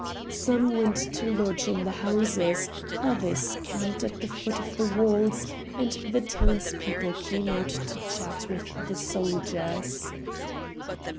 Some went to lodge in the houses, others camped at the foot of the walls, and the townspeople came out to chat with the soldiers.